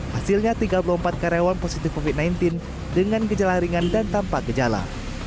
hasilnya tiga puluh empat karyawan positif covid sembilan belas dengan gejala ringan dan tanpa gejala